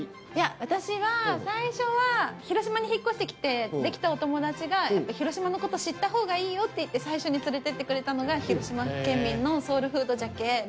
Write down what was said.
いや私は最初は広島に引っ越してきてできたお友達が「広島のこと知った方がいいよ」って言って最初に連れてってくれたのが「広島県民のソウルフードじゃけえ」